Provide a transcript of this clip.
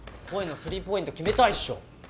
恋のスリーポイント決めたいっしょ。